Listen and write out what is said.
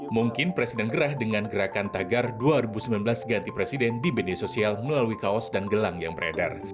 mungkin presiden gerah dengan gerakan tagar dua ribu sembilan belas ganti presiden di media sosial melalui kaos dan gelang yang beredar